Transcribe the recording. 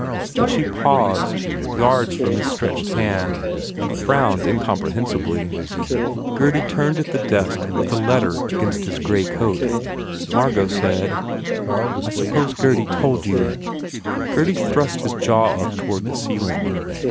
But she paused yards from his stretched hand and frowned incomprehensibly. Gurdy turned at the desk with a letter against his grey 2S7 THE FAIR REWARDS coat. Margot said, "I suppose Gurdy s told you." Gurdy thrust his jaw up toward the ceiling.